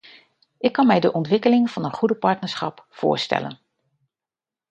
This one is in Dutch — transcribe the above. Ik kan mij de ontwikkeling van een goede partnerschap voorstellen.